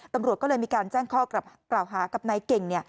ตำรวจก็เลยมีการแจ้งข้อกล่าวหากับนายเก่ง